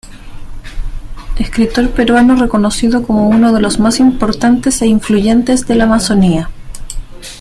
Escritor peruano reconocido como uno de los más importantes e influyentes de la Amazonia.